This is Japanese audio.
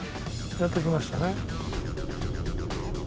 やって来ましたね。